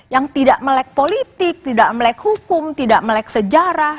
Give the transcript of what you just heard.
yang tidak melek politik tidak melek hukum tidak melek sejarah